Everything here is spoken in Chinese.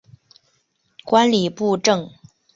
观礼部政。